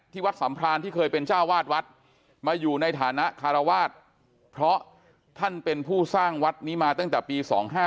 วัดสัมพรานที่เคยเป็นเจ้าวาดวัดมาอยู่ในฐานะคารวาสเพราะท่านเป็นผู้สร้างวัดนี้มาตั้งแต่ปี๒๕๕